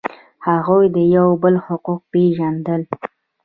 هغوی د یو بل حقوق پیژندل.